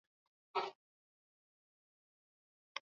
mara ya kwanza Hata hivyo haki za duma zilikuwa chache na mabadiliko